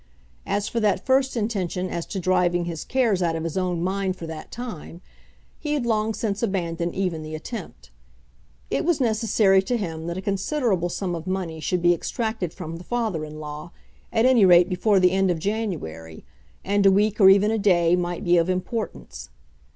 As for that first intention as to driving his cares out of his own mind for that time, he had long since abandoned even the attempt. It was necessary to him that a considerable sum of money should be extracted from the father in law, at any rate before the end of January, and a week or even a day might be of importance.